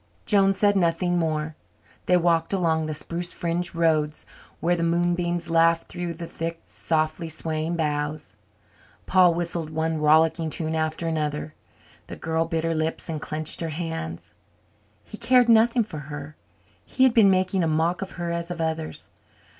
Joan said nothing more. They walked along the spruce fringed roads where the moonbeams laughed down through the thick, softly swaying boughs. Paul whistled one rollicking tune after another. The girl bit her lips and clenched her hands. He cared nothing for her he had been making a mock of her as of others.